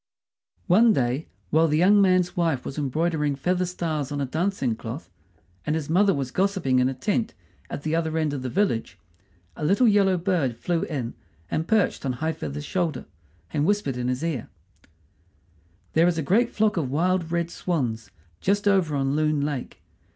One day, while the young man's wife was embroidering feather stars on a dancing cloth, and his mother was gossiping in a tent at the end of the village, a little yellow bird flew in and perched on High feather's shoulder, and whispered in his ear: "There is a great flock of wild red swans just over on Loon Lake.